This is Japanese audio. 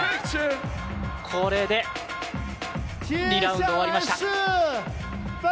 これで２ラウンド終わりました。